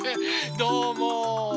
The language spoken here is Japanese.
どうも。